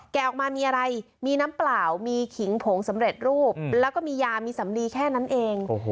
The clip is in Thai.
ออกมามีอะไรมีน้ำเปล่ามีขิงผงสำเร็จรูปแล้วก็มียามีสำลีแค่นั้นเอง